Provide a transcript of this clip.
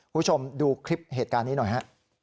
คุณผู้ชมดูคลิปเหตุการณ์นี้หน่อยฮะ